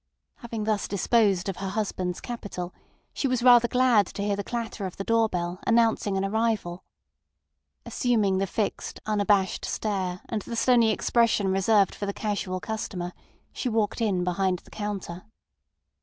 Having thus disposed of her husband's capital, she was rather glad to hear the clatter of the door bell, announcing an arrival. Assuming the fixed, unabashed stare and the stony expression reserved for the casual customer, she walked in behind the counter.